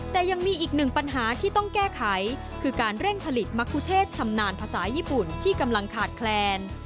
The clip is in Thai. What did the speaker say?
แต่ยังมีอีกหนึ่งปัญหาที่ต้องแก้ไขคือการเร่งผลิตมะคุเทศชำนาญภาษาญี่ปุ่นที่กำลังขาดแคลน